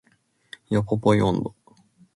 ヨポポイ音頭